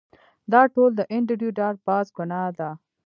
دا ټول د انډریو ډاټ باس ګناه ده